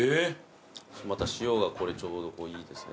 また塩がちょうどいいですね。